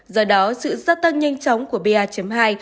do đó sự gia tăng nhanh chóng của ba hai